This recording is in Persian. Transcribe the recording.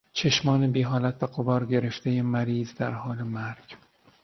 چشمان بیحالت و غبار گرفتهی مریض در حال مرگ